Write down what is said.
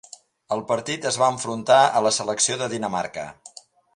Al partit es va enfrontar a la selecció de Dinamarca.